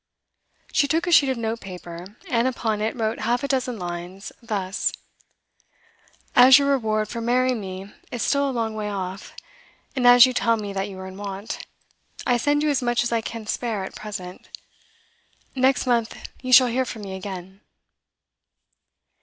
She took a sheet of notepaper, and upon it wrote half a dozen lines, thus: 'As your reward for marrying me is still a long way off, and as you tell me that you are in want, I send you as much as I can spare at present. Next month you shall hear from me again.